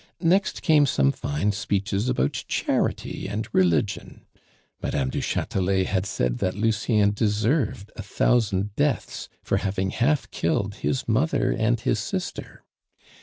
Next came some fine speeches about charity and religion! Madame du Chatelet had said that Lucien deserved a thousand deaths for having half killed his mother and his sister.